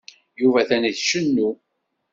Yuba atan icennu.